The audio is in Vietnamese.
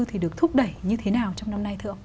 thì được thúc đẩy như thế nào trong năm nay thượng